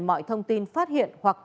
mọi thông tin phát hiện hoặc